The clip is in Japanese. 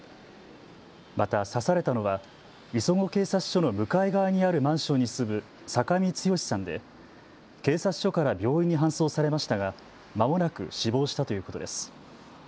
また刺されたのは磯子警察署の向かい側にあるマンションに住む酒見剛さんで警察署から病院に搬送されましたが、まもなく死亡したということです。